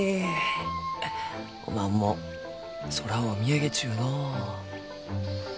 おまんも空を見上げちゅうのう。